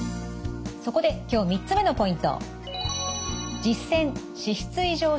そこで今日３つ目のポイント。